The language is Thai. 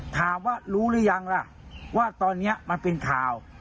ถามว่ารู้หรือยังล่ะว่าตอนนี้มันเป็นข่าว